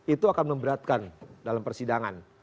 itu akan memberatkan dalam persidangan